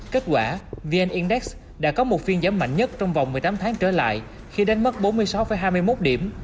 kết quả vn index đã có một phiên giảm mạnh nhất trong vòng một mươi tám tháng trở lại khi đánh mất bốn mươi sáu hai mươi một điểm